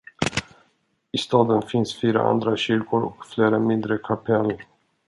I staden finns fyra andra kyrkor och flera mindre kapell.